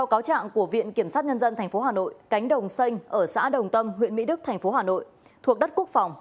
cánh đồng xanh ở xã đồng tâm huyện mỹ đức thành phố hà nội thuộc đất quốc phòng